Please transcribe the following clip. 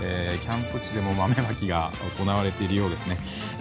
キャンプ地でも豆まきが行われているようですね。